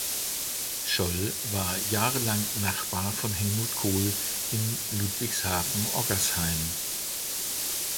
Scholl war jahrelang Nachbar von Helmut Kohl in Ludwigshafen-Oggersheim.